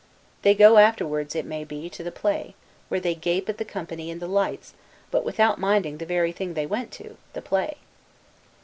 They go afterward, it may be, to the play, where they gape at the company and the lights; but without minding the very thing they went to, the play.